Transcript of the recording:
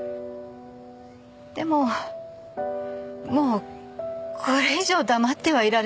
でももうこれ以上黙ってはいられない。